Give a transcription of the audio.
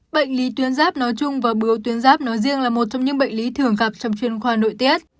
bệnh lý tuyến giáp nói chung và bướu tuyến giáp nói riêng là một trong những bệnh lý thường gặp trong chuyên khoa nội tiết